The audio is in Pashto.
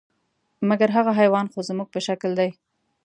مګر هغه حیوان خو زموږ په شکل دی .